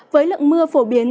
với lượng mưa phổ biến